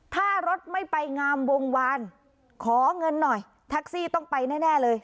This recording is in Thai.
ถ้ารถไม่ไปงามวงวานขอเงินหน่อยแท็กซี่ต้องไปแน่เลย